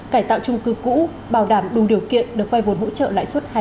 cải tạo chung cư cũ bảo đảm đúng điều kiện được vai vốn hỗ trợ lại suốt hai